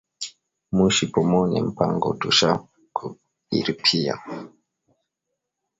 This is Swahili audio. Mushi Pomone mpango tusha ku iripia